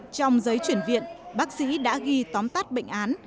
trong giấy chuyển viện bác sĩ đã ghi tóm tắt bệnh án